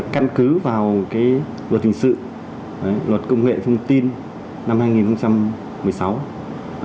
căn cứ vào luật hình sự luật công nghệ thông tin năm hai nghìn một mươi sáu